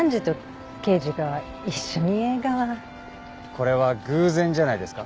これは偶然じゃないですか？